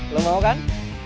lo mau kan